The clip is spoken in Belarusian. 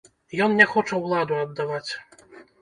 Ён не хоча ўладу аддаваць.